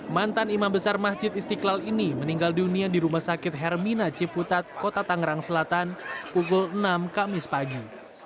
mantan imam besar masjid istiqlal ini meninggal dunia di rumah sakit hermina ciputat kota tangerang selatan pukul enam kamis pagi